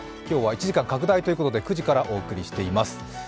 今日は１時間拡大ということで９時からお送りしています。